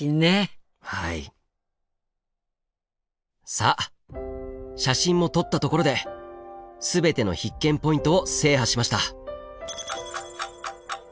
さあ写真も撮ったところで全ての必見ポイントを制覇しました。